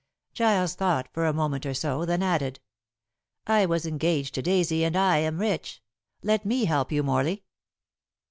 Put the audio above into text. Giles thought for a moment or so, then added, "I was engaged to Daisy, and I am rich. Let me help you, Morley."